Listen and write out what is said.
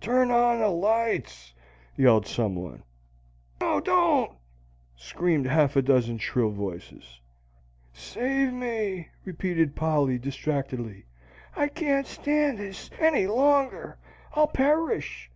"Turn on the lights!" yelled some one. "No! Don't!" screamed half a dozen shrill voices. "Save me!" repeated Polly, distractedly. "I can't stand this any longer! I'll perish!"